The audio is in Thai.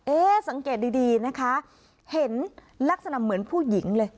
สังเกตดีนะคะเห็นลักษณะเหมือนผู้หญิงเลย